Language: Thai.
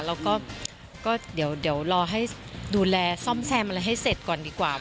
แล้วก็เดี๋ยวรอให้ดูแลซ่อมแซมอะไรให้เสร็จก่อนดีกว่า